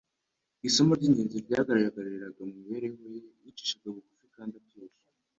Isomo ry'ingenzi ryagaragariraga mu mibereho ye, yicishije bugufi kandi ituje,